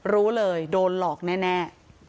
รู้เลยโดนหลอกแน่